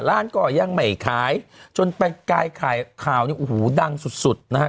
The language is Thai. ร้านก็ยังไม่ขายจนกลายขายข่าวนี้อูหูดังสุดนะฮะ